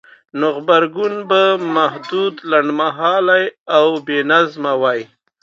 نو غبرګون به محدود، لنډمهالی او بېنظمه وای؛